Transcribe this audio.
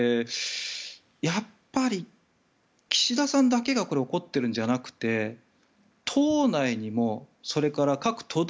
やっぱり岸田さんだけがこれを怒っているんじゃなくて党内にもそれから各都道